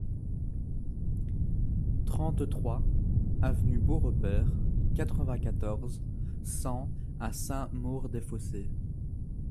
trente-trois avenue Beaurepaire, quatre-vingt-quatorze, cent à Saint-Maur-des-Fossés